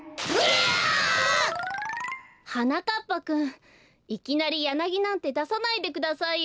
ギャ！はなかっぱくんいきなりヤナギなんてださないでくださいよ。